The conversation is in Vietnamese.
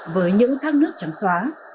với những thác nước trắng xóa